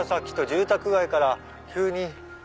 住宅街から急に。